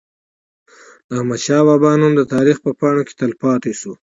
د احمد شاه بابا نوم د تاریخ په پاڼو کي تل پاتي سو.